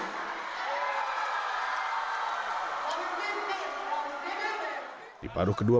di paru kedua pertandingan setiap pertandingan yang diperkuat wajahnya